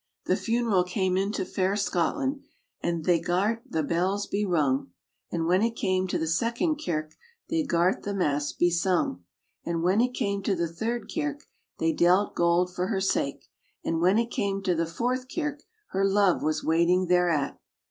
The funeral came into fair Scotland, And they gart the bells be rung; And when it came to the second kirk, They gart the mass be sung. And when it came to the third kirk, They dealt gold for her sake; And when it came to the fourth kirk, Her love was waiting thereat.